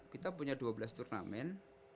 kita punya dua belas turnamen